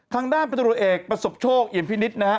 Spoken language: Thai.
ทางด้านปัจจุดเอกประสบโชคอินพินิษฐ์นะฮะ